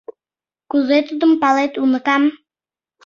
— Кузе тудым палет, уныкам?